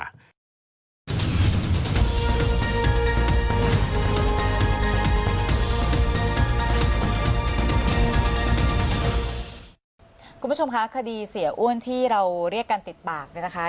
สวัสดีครับคุณผู้ชมค่ะคดีเสียอ้วนที่เราเรียกกันติดปากนะคะ